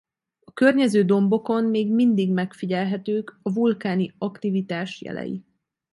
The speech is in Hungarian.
A környező dombokon még mindig megfigyelhetők a vulkáni aktivitás jelei.